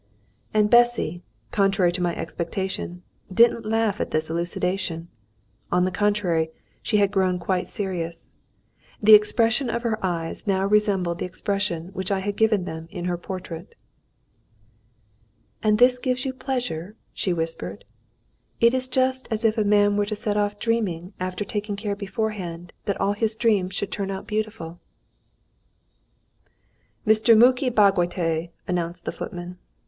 And Bessy, contrary to my expectation, didn't laugh at this elucidation. On the contrary, she had grown quite serious. The expression of her eyes now resembled the expression which I had given them in her portrait. "And this gives you pleasure?" she whispered. "It is just as if a man were to set off dreaming after taking care beforehand that all his dreams should turn out beautiful." "Mr. Muki Bagotay," announced the footman.